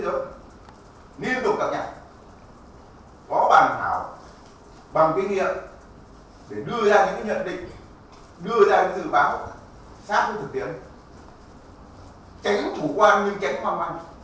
tránh thủ quan nhưng tránh hoang mang